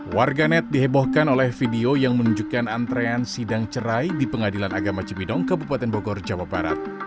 warganet dihebohkan oleh video yang menunjukkan antrean sidang cerai di pengadilan agama cibidong kabupaten bogor jawa barat